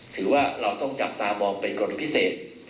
ถือว่าเราต้องจับตามองเป็นกรณีพิเศษ